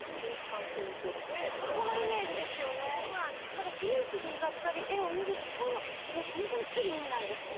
ただ古い地図だったり絵を見るともう本当にすぐ海なんですね。